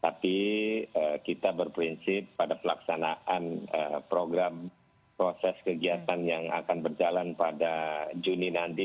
tapi kita berprinsip pada pelaksanaan program proses kegiatan yang akan berjalan pada juni nanti dua ribu dua puluh dua